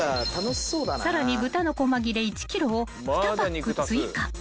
［さらに豚の細切れ１ｋｇを２パック追加］